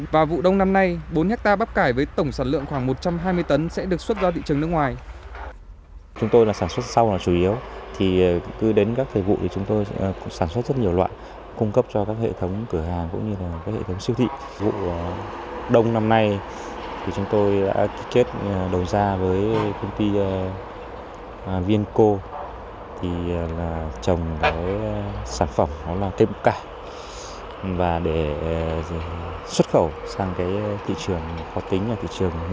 vào vụ đông năm nay bốn hectare bắp cải với tổng sản lượng khoảng một trăm hai mươi tấn sẽ được xuất ra thị trường nước ngoài